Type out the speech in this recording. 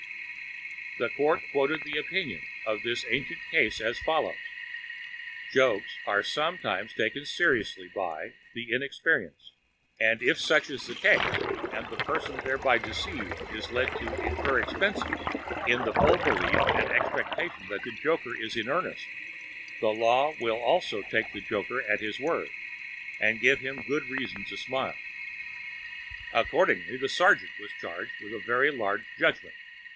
The Court quoted the opinion in this ancient case as follows: "Jokes are sometimes taken seriously by ... the inexperienced ... and if such is the case, and the person thereby deceived is led to (incur expenses) in the full belief and expectation that the joker is in earnest, the law will also take the joker at his word, and give him good reason to smile." Accordingly, the sergeant was charged with a very large judgment.